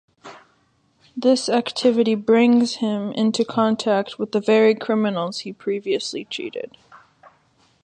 This activity brings him into contact with the very criminals he previously cheated.